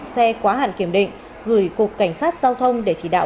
xe quá hạn kiểm định gửi cục cảnh sát giao thông để chỉ đạo